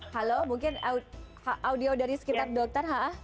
halo mungkin audio dari sekitar dokter haa